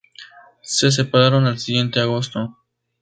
Se separaron el siguiente agosto.